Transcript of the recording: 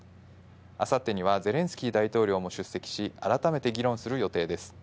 あさってにはゼレンスキー大統領も出席し、改めて議論する予定です。